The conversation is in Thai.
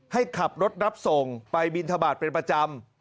ให้ขับรถรับส่งไปบินทบาทเป็นประจำ